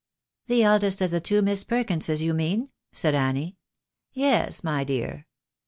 " The eldest of the two Miss Perkinses you mean ?" said Annie. " Yes, my dear."